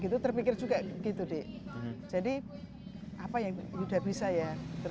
terpikir juga gitu jadi apa yang yuda bisa ya